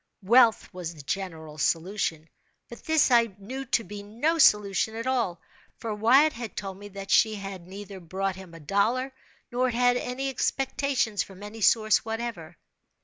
Wealth was the general solution—but this I knew to be no solution at all; for Wyatt had told me that she neither brought him a dollar nor had any expectations from any source whatever.